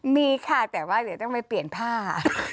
มีค่ะแต่ว่าเดี๋ยวต้องไปเปลี่ยนผ้า